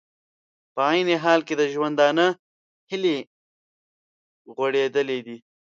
په عین حال کې د ژوندانه هیلې غوړېدلې دي